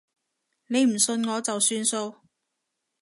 你唔信我就算數